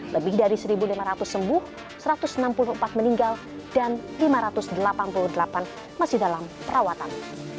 lebih dari satu lima ratus sembuh satu ratus enam puluh empat meninggal dan lima ratus delapan puluh delapan masih dalam perawatan